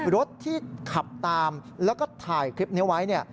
รถที่ขับตามแล้วก็ถ่ายคลิปนี้ไว้เนี่ย